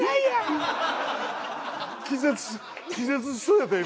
気絶しそうやったよ